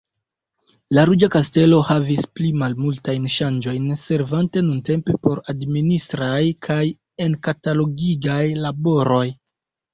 La Ruĝa Kastelo havis pli malmultajn ŝanĝojn servante nuntempe por admininistraj kaj enkatalogigaj laboroj.